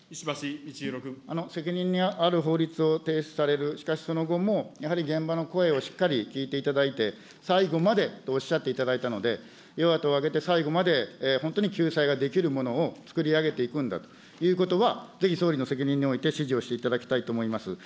責任のある法律を提出される、しかしその後も、やはり現場の声をしっかり聞いていただいて、最後までとおっしゃっていただいたので、与野党挙げて最後まで本当に救済ができるものを作り上げていくんだということは、ぜひ総理の責任において指示をしていただきたいと思います。